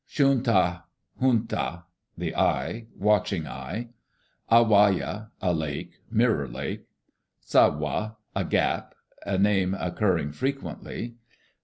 ] "Shun' ta, Hun' ta (the eye), Watching Eye. "A wai' a (a lake), Mirror Lake. "Sa wah' (a gap), a name occurring frequently.